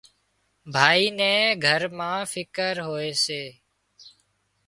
ڀائي نين گھر مان فڪر هوئي سي